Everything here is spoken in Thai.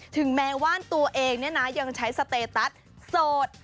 ถึงแมว่นตัวเองยังใช้สเตตัสโสด